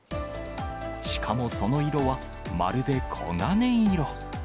しかもその色はまるで黄金色。